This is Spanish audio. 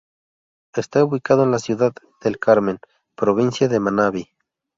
Está ubicado en la ciudad de El Carmen, provincia de Manabí.